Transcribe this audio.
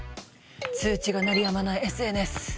通知が鳴りやまないＳＮＳ。